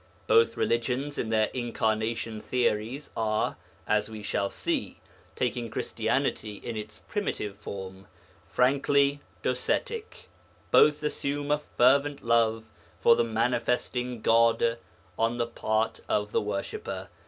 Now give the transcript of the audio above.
Both religions in their incarnation theories are, as we shall see (taking Christianity in its primitive form), frankly Docetic, both assume a fervent love for the manifesting God on the part of the worshipper.